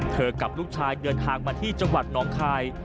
กับลูกชายเดินทางมาที่จังหวัดน้องคาย